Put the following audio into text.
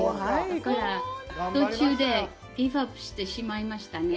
だから、途中でギブアップしてしまいましたね。